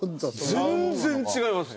全然違いますね。